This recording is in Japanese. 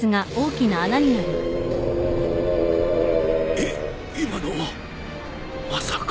・いっ今のはまさか。